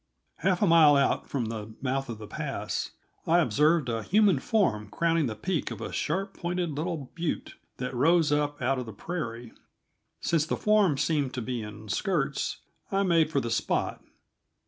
Half a mile out from the mouth of the pass, I observed a human form crowning the peak of a sharp pointed little butte that rose up out of the prairie; since the form seemed to be in skirts, I made for the spot.